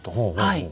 はい。